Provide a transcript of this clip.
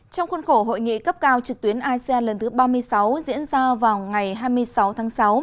trong khuôn khổ hội nghị cấp cao trực tuyến asean lần thứ ba mươi sáu diễn ra vào ngày hai mươi sáu tháng sáu